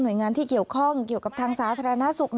โดยงานที่เกี่ยวข้องเกี่ยวกับทางสาธารณสุข